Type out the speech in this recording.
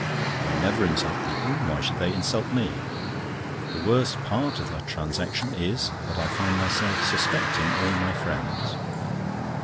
I never insult people; why should they insult me? The worst part of the transaction is, that I find myself suspecting all my friends.